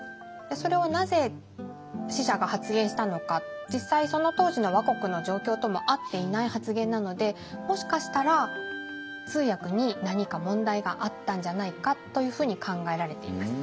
それをなぜ使者が発言したのか実際その当時の倭国の状況とも合っていない発言なのでもしかしたら通訳に何か問題があったんじゃないかというふうに考えられています。